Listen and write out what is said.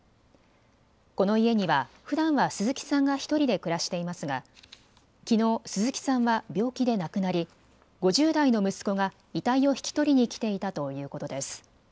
この家にはふだんは鈴木さんが１人で暮らしていますがきのう鈴木さんは病気で亡くなり５０代の息子が遺体を引き取りに来ていたということです。